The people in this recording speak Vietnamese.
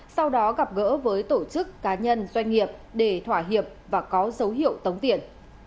sau đó gặp gỡ với tổ chức cá nhân doanh nghiệp để thỏa hiệp và có dấu hiệu tống tiền